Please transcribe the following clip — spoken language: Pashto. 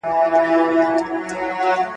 ما په خوب کي د شکر ایسهمېشهو اجر ولیدی.